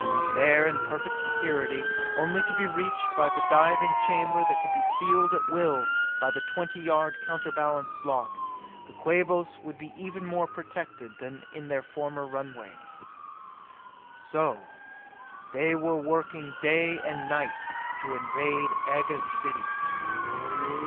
There, in perfect security, only to be reached by the diving chamber that could be sealed at will by the twenty yard, counterbalanced lock, the Quabos would be even more protected than in their former runways. So they were working day and night to invade Aga's city!